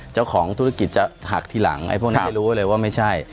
เจ้าของธุรกิจจะหักทีหลังไอ้พวกนี้ไม่รู้เลยว่าไม่ใช่